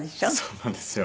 そうなんですよ。